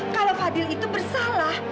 kalau fadil itu bersalah